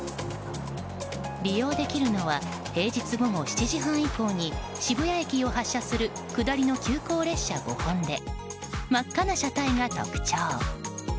利用できるのは平日午後７時半以降に渋谷駅を発車する下りの急行列車５本で真っ赤な車体が特徴。